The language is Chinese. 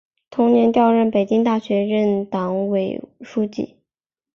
同年调任北京大学任党委书记。